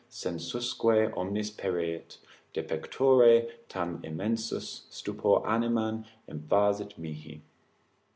sensusque omnis periit De pectore, tam immensus stupor animam invasit mihi.